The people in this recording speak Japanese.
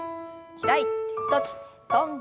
開いて閉じて跳んで。